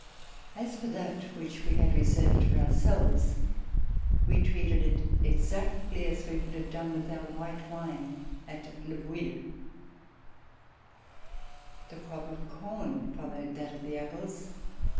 As for that which we A VISIT TO NEW YORK had reserved for ourselves, we treated it exactly as we would have done with our white wine at Le Bouilh. The crop of corn followed that of the apples.